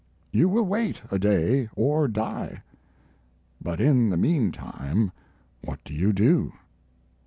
You will wait a day or die. But in the mean time what do you do?